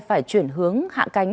phải chuyển hướng hạ cánh